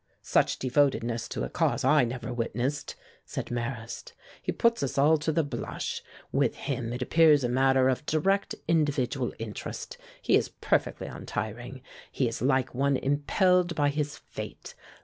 "Such devotedness to a cause I never witnessed," said Marrast. "He puts us all to the blush. With him it appears a matter of direct individual interest. He is perfectly untiring. He is like one impelled by his fate.